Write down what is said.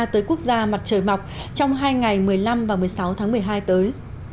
tới quốc gia mặt trời mọc trong hai ngày một mươi năm và một mươi sáu tháng một mươi hai tới